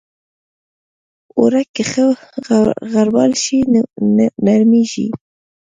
اوړه که ښه غربال شي، نرمېږي